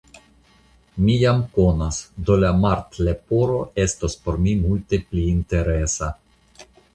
mi jam konas; do la Martleporo estos por mi multe pli interesa.